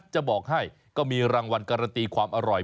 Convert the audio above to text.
จะบอกให้ก็มีรางวัลการันตีความอร่อย